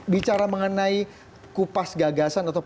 bicara mengenai kupas gagasan atau